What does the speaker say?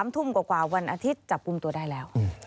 ทุ่มกว่าวันอาทิตย์จับกลุ่มตัวได้แล้ว